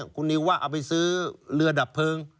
คุณนิวว่าเอาไปซื้อเรือดับเพลิง